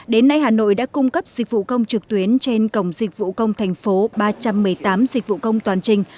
đến nay hà nội đã cung cấp dịch vụ công trực tuyến trên cổng dịch vụ công thành phố ba trăm một mươi tám dịch vụ công toàn trình